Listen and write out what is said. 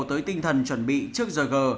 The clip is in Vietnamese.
tới tinh thần chuẩn bị trước giờ gờ